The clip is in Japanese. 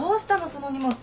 その荷物。